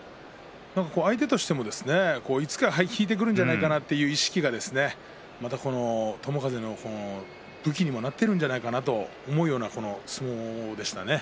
相手からしてもいつか引いてくるんじゃないかという意識がまた友風の武器にもなっているんじゃないかなと思うような相撲でしたね。